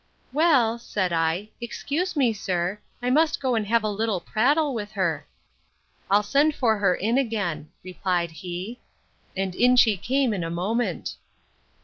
Well, said I, excuse me, sir; I must go and have a little prattle with her. I'll send for her in again, replied he; and in she came in a moment.